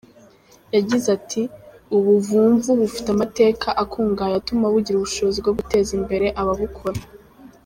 Yagize ati “Ubuvumvu bufite amateka akungahaye atuma bugira ubushobozi bwo guteza imbere ababukora.